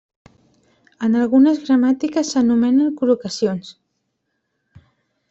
En algunes gramàtiques s'anomenen col·locacions.